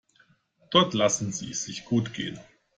Dort lassen sie es sich gut gehen.